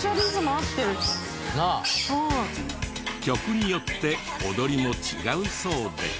曲によって踊りも違うそうで。